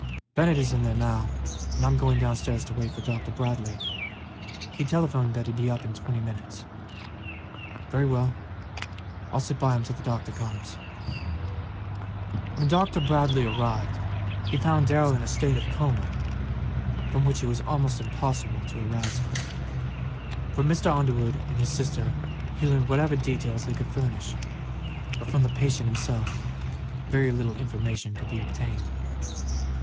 "Bennett is in there now, and I'm going downstairs to wait for Dr. Bradley; he telephoned that he'd be up in twenty minutes." "Very well; I'll sit by him till the doctor comes." When Dr. Bradley arrived he found Darrell in a state of coma from which it was almost impossible to arouse him. From Mr. Underwood and his sister he learned whatever details they could furnish, but from the patient himself very little information could be obtained.